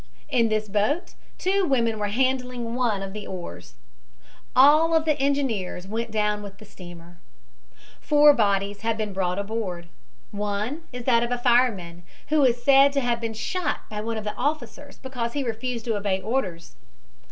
In this boat two women were handling one of the oars. All of the engineers went down with the steamer. Four bodies have been brought aboard. One is that of a fireman, who is said to have been shot by one of the officers because he refused to obey orders.